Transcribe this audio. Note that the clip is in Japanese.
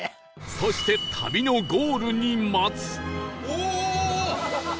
そして旅のゴールに待つ